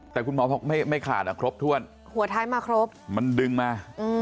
แต่คุณหมอบอกไม่ขาดหัวท้ายมาครบมันดึงมา